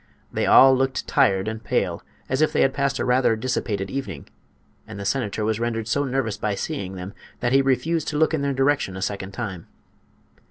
They all looked tired and pale, as if they had passed a rather dissipated evening, and the senator was rendered so nervous by seeing them that he refused to look in their direction a second time.